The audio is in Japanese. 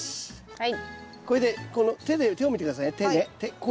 はい。